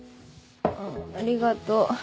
ありがと。